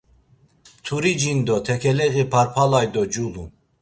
Mturi cindo tekeleği parpalay do culun.